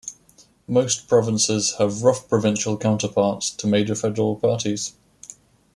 Most provinces have rough provincial counterparts to major federal parties.